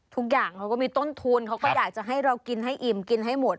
ทุกอย่างเขาก็มีต้นทุนเขาก็อยากจะให้เรากินให้อิ่มกินให้หมด